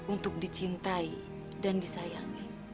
untuk dicintai dan disayangi